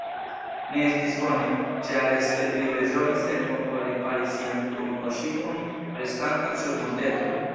Ne estis bone, ĉar Stelkri bezonis helpon por ripari sian kosmoŝipon restantan sur monteto.